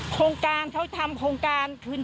คุณประสิทธิ์ทราบรึเปล่าคะว่า